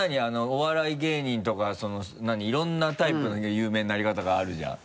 お笑い芸人とかいろんなタイプの有名になり方があるじゃん。